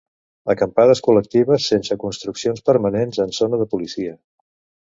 Acampades col·lectives sense construccions permanents en zona de policia.